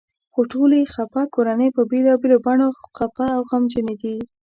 خو ټولې خپه کورنۍ په بېلابېلو بڼو خپه او غمجنې دي.